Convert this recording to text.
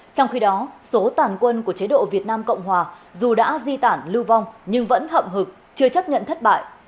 trong khi đó số tàn quân của chế độ việt nam cộng hòa dù đã di tản lưu vong nhưng vẫn hậm hực chưa chấp nhận thất bại